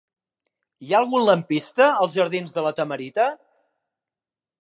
Hi ha algun lampista als jardins de La Tamarita?